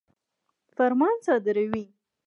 فرمان صادروي.